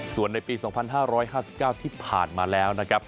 ส่วนในปีสองพันห้าร้อยห้าสิบเก้าที่ผ่านมาแล้วนะครับ